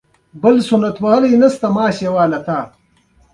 د درې مياشتو په موده کې